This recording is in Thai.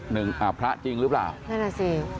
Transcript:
อ่าพระจริงหรือเปล่านั่นน่ะสิ